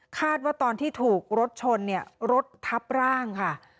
ตอนที่ถูกรถชนเนี่ยรถทับร่างค่ะ